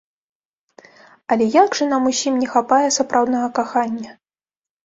Але як жа нам усім не хапае сапраўднага кахання!